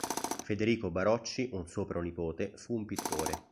Federico Barocci, un suo pronipote, fu un pittore.